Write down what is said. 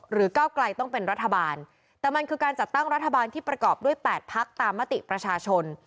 ก้าวไกลต้องเป็นรัฐบาลแต่มันคือการจัดตั้งรัฐบาลที่ประกอบด้วย๘พักตามมติประชาชน